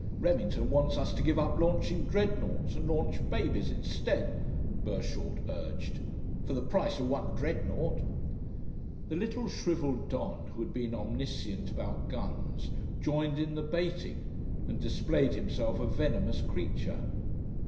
"Remington wants us to give up launching Dreadnoughts and launch babies instead," Burshort urged. "For the price of one Dreadnought " The little shrivelled don who had been omniscient about guns joined in the baiting, and displayed himself a venomous creature.